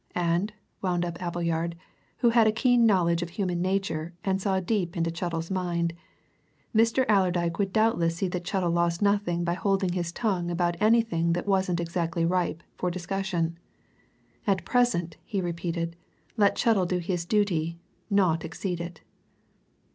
And, wound up Appleyard, who had a keen knowledge of human nature and saw deep into Chettle's mind, Mr. Allerdyke would doubtless see that Chettle lost nothing by holding his tongue about anything that wasn't exactly ripe for discussion. At present, he repeated, let Chettle do his duty not exceed it.